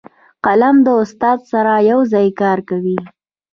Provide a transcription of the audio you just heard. قلم له استاد سره یو ځای کار کوي